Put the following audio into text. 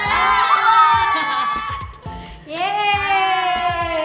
iya lo kenapa sih ri